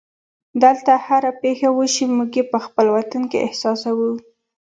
دلته هره پېښه وشي موږ یې په خپل وطن کې احساسوو.